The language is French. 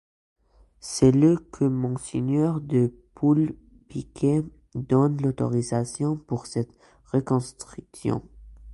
C'est le que Monseigneur de Poulpiquet donne l'autorisation pour cette reconstruction.